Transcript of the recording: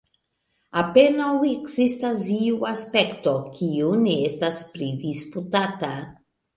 Apenaŭ ekzistas iu aspekto, kiu ne estas pridisputata.